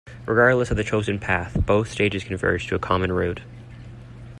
Regardless of the chosen path, both stages converge to a common route.